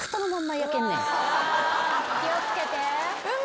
気を付けて。